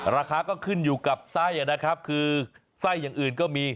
ราคาก็ขึ้นอยู่กับไส้นะครับคือไส้อย่างอื่นก็มี